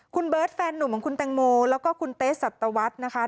คุณเบิร์ตแฟนหนุ่มของคุณแตงโมแล้วก็คุณเต๊สัตวรรษนะคะ